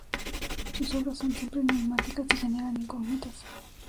Sus obras son siempre enigmáticas y generan incógnitas.